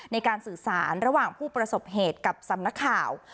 ในการสื่อสารระหว่างผู้ประสบเหตุกับสำนักข่าว